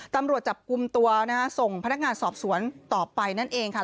ตำรวจจับกลุ่มตัวนะฮะส่งพนักงานสอบสวนต่อไปนั่นเองค่ะ